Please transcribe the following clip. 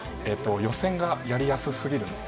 予選がやりやすすぎるんです。